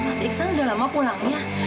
mas iksan udah lama pulangnya